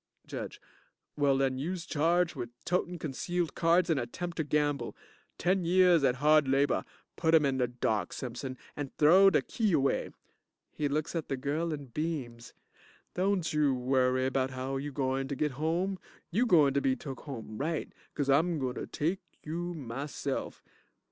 JUDGE Well, den youse charged wid totin' concealed cards and attempt to gamble. Ten years at hard labor. Put him in de dark, Simpson, and throw de key away. (He looks at the girl and beams.) Don't you worry bout how you gointer git home. You gointer be took home right, 'cause I'm gointer take you myself.